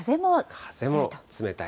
風も冷たい。